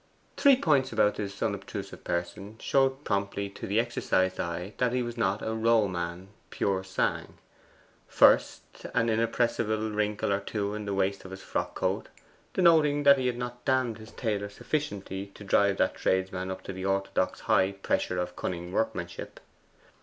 Three points about this unobtrusive person showed promptly to the exercised eye that he was not a Row man pur sang. First, an irrepressible wrinkle or two in the waist of his frock coat denoting that he had not damned his tailor sufficiently to drive that tradesman up to the orthodox high pressure of cunning workmanship.